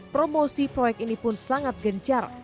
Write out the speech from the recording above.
promosi proyek ini pun sangat gencar